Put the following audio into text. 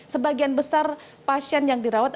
sebagian besar pasien yang dirawat